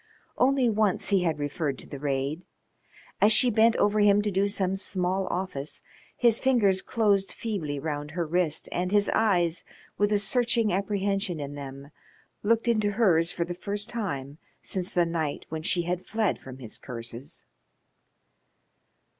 Only once he had referred to the raid. As she bent over him to do some small office his fingers closed feebly round her wrist and his eyes, with a searching apprehension in them, looked into hers for the first time since the night when she had fled from his curses.